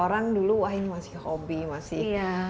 orang dulu wah ini masih hobi masih